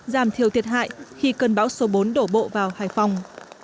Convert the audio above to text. giảm thiểu thiệt hại khi cơn bão số bốn đổ bộ vào hải phòng